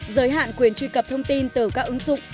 giới hạn quyền truy cập thông tin từ các ứng dụng